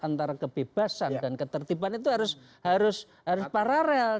antara kebebasan dan ketertiban itu harus paralel